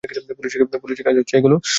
পুলিশের কাজ এগুলো।